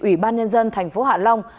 ủy ban nhân dân tp hạ long